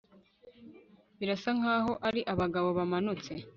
Birasa nkaho ari abagabo bamanutse